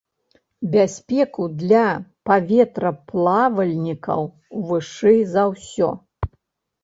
Бяспеку для паветраплавальнікаў вышэй за ўсё.